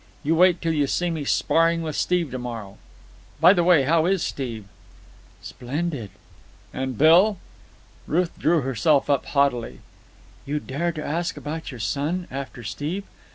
You wait till you see me sparring with Steve to morrow. By the way, how is Steve?" "Splendid." "And Bill?" Ruth drew herself up haughtily. "You dare to ask about your son after Steve?